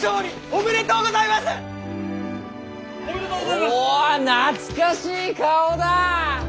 お懐かしい顔だ！